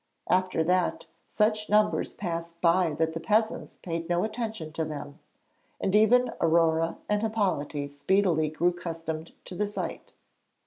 After that, such numbers passed by that the peasants paid no attention to them, and even Aurore and Hippolyte speedily grew accustomed to the sight.